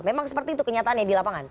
memang seperti itu kenyataannya di lapangan